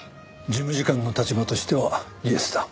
事務次官の立場としてはイエスだ。